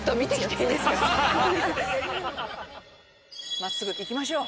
真っすぐ行きましょう。